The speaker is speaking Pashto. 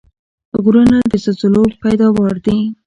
غرونه د زلزلو پیداوار دي.